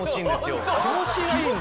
気持ちいいんだ？